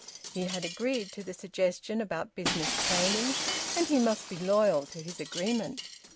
He had agreed to the suggestion about business training, and he must be loyal to his agreement.